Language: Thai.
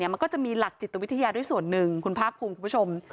มันก็จะมีหลักจิตวิทยาด้วยส่วนหนึ่งคุณภาคภูมิคุณผู้ชม